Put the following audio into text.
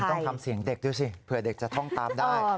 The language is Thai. ต้องทำเสียงเด็กดูสิเผื่อเด็กจะท่องตามได้